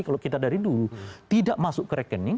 kalau kita dari dulu tidak masuk ke rekening